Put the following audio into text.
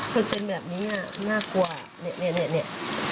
มันเป็นแบบนี้น่ากลัวนี่เป็นแบบนี้